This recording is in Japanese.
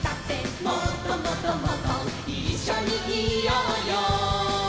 「もっともっともっといっしょにいようよ」